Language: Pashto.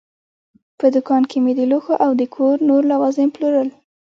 په دوکان کې مې د لوښو او د کور نور لوازم پلورل.